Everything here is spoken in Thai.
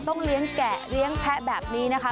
ต้องเลี้ยงแกะเลี้ยงแพะแบบนี้นะคะ